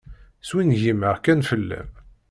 Swingimeɣ kan fell-am.